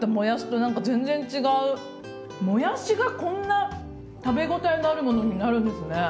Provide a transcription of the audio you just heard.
もやしがこんな食べ応えのあるものになるんですね。